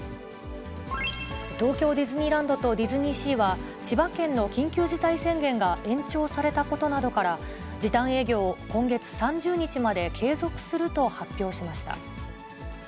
東京ディズニーランドとディズニーシーは、千葉県の緊急事態宣言が延長されたことなどから、時短営業を今月３０日まで継続すると発表しました。